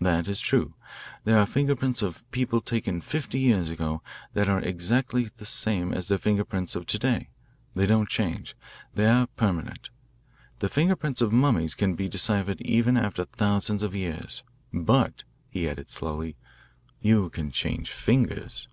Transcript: That is true. There are fingerprints of people taken fifty years ago that are exactly the same as their finger prints of to day. They don't change they are permanent. The fingerprints of mummies can be deciphered even after thousands of years. But," he added slowly, "you can change fingers."